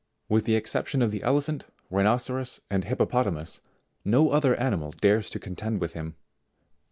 With the excep tion of the elephant, rhinoceros, and hippopotamus, no other animal dares to contend with him.